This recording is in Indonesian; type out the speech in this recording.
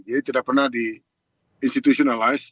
jadi tidak pernah di institutionalize